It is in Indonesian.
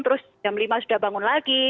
terus jam lima sudah bangun lagi